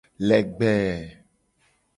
Legbee.